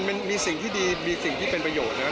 มันมีสิ่งที่ดีมีสิ่งที่เป็นประโยชน์นะครับ